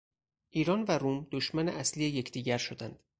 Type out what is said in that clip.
ایران و روم دشمن اصلی یکدیگر شدند.